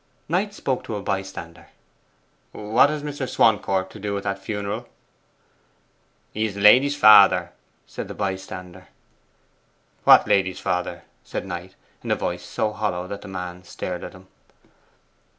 Knight spoke to a bystander. 'What has Mr. Swancourt to do with that funeral?' 'He is the lady's father,' said the bystander. 'What lady's father?' said Knight, in a voice so hollow that the man stared at him.